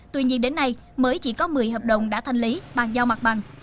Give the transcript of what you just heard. tuy nhiên đến nay mới chỉ có một mươi hợp đồng đã thanh lý bàn giao mặt bằng